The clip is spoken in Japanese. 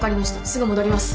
すぐ戻ります。